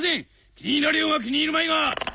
気に入られようが気に入るまいが。